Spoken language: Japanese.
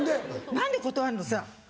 何で断るのさ。